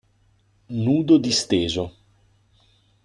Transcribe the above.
Nudo disteso